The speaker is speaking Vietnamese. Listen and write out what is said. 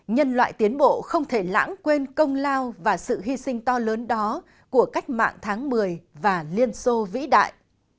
nhân loại tiến bộ không thể lãng quên công lao và sự hy sinh to lớn đó của cách mạng tháng một mươi và liên xô vĩ đại